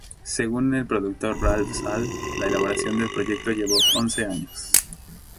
Según el productor Ralph Sall, la elaboración del proyecto llevó once años.